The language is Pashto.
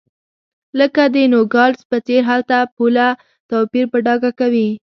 لکه د نوګالس په څېر هلته پوله توپیر په ډاګه کوي.